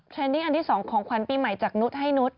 ใช่นี่อันที่สองของขวัญปีใหม่จากนุฏให้นุฏ